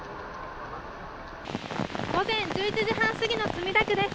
午前１１時半過ぎの墨田区です。